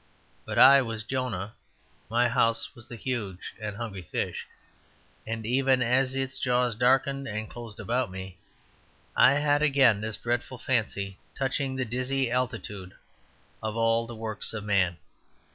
But I was Jonah; my house was the huge and hungry fish; and even as its jaws darkened and closed about me I had again this dreadful fancy touching the dizzy altitude of all the works of man.